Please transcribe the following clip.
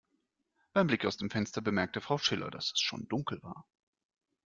Beim Blick aus dem Fenster bemerkte Frau Schiller, dass es schon dunkel war.